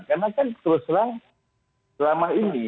karena kan teruslah selama ini